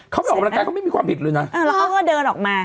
เขาไปออกกำลังกายเขาไม่มีความผิดเลยนะแล้วเขาก็เดินออกมา